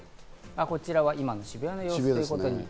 こちらは今の渋谷の様子ですね。